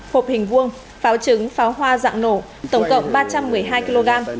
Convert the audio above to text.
hộp hình vuông pháo trứng pháo hoa dạng nổ tổng cộng ba trăm một mươi hai kg